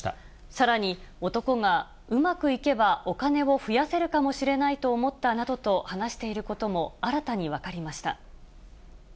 さらに、男がうまくいけばお金を増やせるかもしれないと思ったなどと話していることも新たに分かりました。